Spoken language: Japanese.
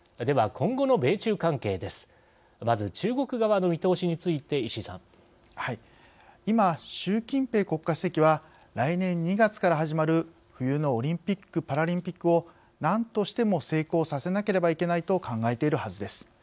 今習近平国家主席は来年２月から始まる冬のオリンピック・パラリンピックを何としても成功させなければいけないと考えているはずです。